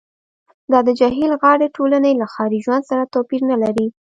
دا د جهیل غاړې ټولنې له ښاري ژوند سره توپیر نلري